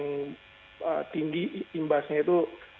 yang tinggi imbasnya itu